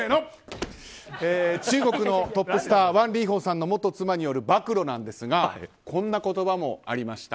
中国のトップスターワン・リーホンさんの元妻による暴露なんですがこんな言葉もありました。